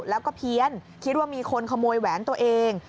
แล้วก็เพี้ยนคิดว่ามีคนขโมยแหวนตัวเอง